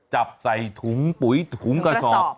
จับใส่ถุงปุ๋ยถุงกระสอบ